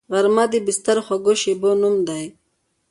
غرمه د بستر د خوږو شیبو نوم دی